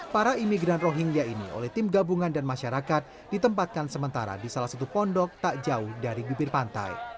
para imigran rohingya ini oleh tim gabungan dan masyarakat ditempatkan sementara di salah satu pondok tak jauh dari bibir pantai